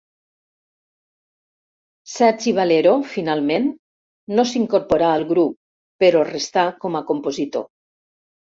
Sergi Valero, finalment, no s'incorporà al grup però restà com a compositor.